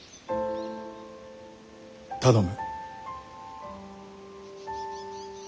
頼む。